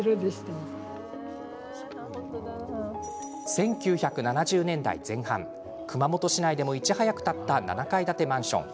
１９７０年代前半熊本市内でも、いち早く建った７階建てマンション。